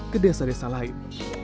ke desa desa lain